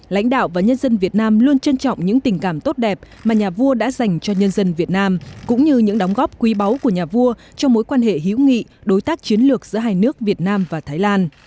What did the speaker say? lãnh đạo và nhân dân việt nam luôn trân trọng những tình cảm tốt đẹp mà nhà vua đã dành cho nhân dân việt nam cũng như những đóng góp quý báu của nhà vua trong mối quan hệ hữu nghị đối tác chiến lược giữa hai nước việt nam và thái lan